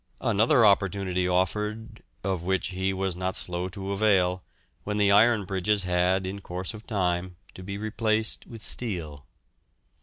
Another opportunity offered, of which he was not slow to avail, when the iron bridges had in course of time to be replaced with steel.